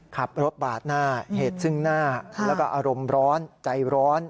ขับรถปาดหน้าเหตุซึ่งหน้าแล้วก็อารมณ์ร้อนใจร้อน